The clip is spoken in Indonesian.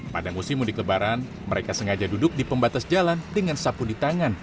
pada musim mudik lebaran mereka sengaja duduk di pembatas jalan dengan sapu di tangan